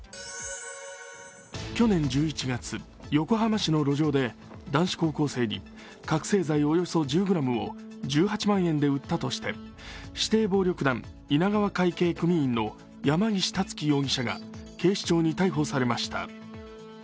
去年１１月、横浜市の路上で男子高校生に覚醒剤およそ１０ｇを１８万円で売ったとして指定暴力団・稲川会系組員の山岸竜貴容疑者が警視庁に逮捕されました。